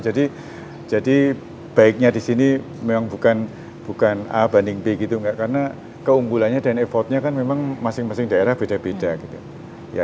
jadi jadi baiknya di sini memang bukan a banding b gitu enggak karena keunggulannya dan effortnya kan memang masing masing daerah beda beda gitu ya